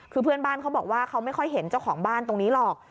คือเพื่อนบ้านเขาบอกว่าเขาไม่ค่อยเห็นเจ้าของบ้านตรงนี้หรอก